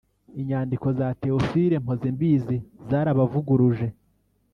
Inyandiko za Théophile Mpozembizi zarabavuguruje